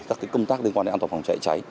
các công tác liên quan đến an toàn phòng cháy cháy